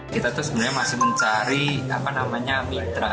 kita tuh sebenarnya masih mencari apa namanya mitra